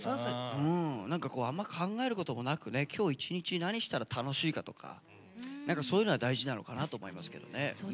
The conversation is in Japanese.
あんまり考えることもなく今日一日、何したら楽しいかとかそういうのが大事なのかなと思いますけどね。